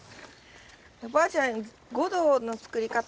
おばあちゃんごどの作り方